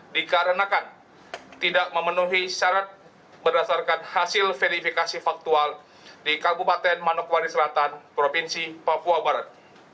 dikarenakan tidak memenuhi syarat berdasarkan hasil verifikasi faktual di kabupaten manokwari selatan provinsi papua barat